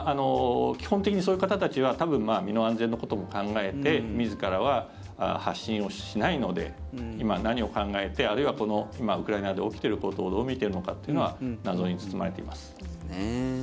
基本的にそういう方たちは多分、身の安全のことも考えて自らは発信をしないので今、何を考えてあるいは、今ウクライナで起きていることをどう見ているのかっていうのは謎に包まれています。